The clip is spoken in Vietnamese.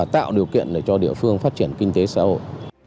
tạo điều kiện để cho địa phương phát triển kinh tế xã hội